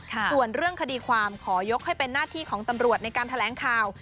ส่วนเรื่องคดีความขอยกให้เป็นหน้าที่ของตำรวจในการแถลงข่าว